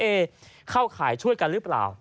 เข้าข่ายช่วยกันหรือเปล่า